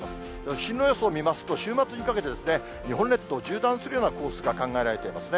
進路予想見ますと、週末にかけて日本列島を縦断するようなコースが考えられていますね。